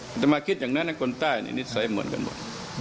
จะมาคิดอย่างนั้นคนใต้นิสัยเหมือนกันหมด